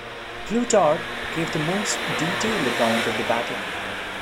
Plutarch gave the most detailed account of the battle.